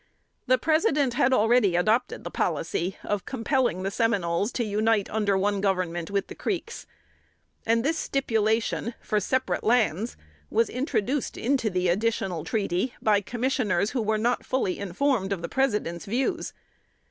The President had already adopted the policy of compelling the Seminoles to unite under one government with the Creeks: and this stipulation for separate lands was introduced into the "additional treaty," by commissioners who were not fully informed of the President's views.